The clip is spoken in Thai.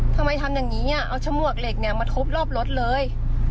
ทำไมทำอย่างนี้เนี่ยเอาชมวกเหล็กเนี่ยมาทุบรอบรถเลย